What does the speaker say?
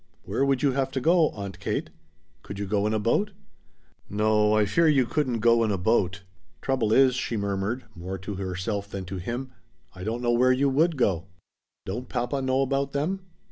"Where would you have to go, Aunt Kate? Could you go in a boat?" "No, I fear you couldn't go in a boat. Trouble is," she murmured, more to herself than to him, "I don't know where you would go." "Don't Papa know 'bout them?"